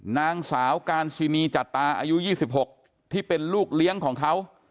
นางสาวการซินีจัดตาอายุ๒๖ที่เป็นลูกเลี้ยงของเขา